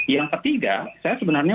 yang ketiga saya sebenarnya